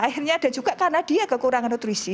akhirnya dan juga karena dia kekurangan nutrisi